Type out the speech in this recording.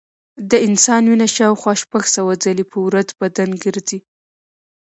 د انسان وینه شاوخوا شپږ سوه ځلې په ورځ بدن ګرځي.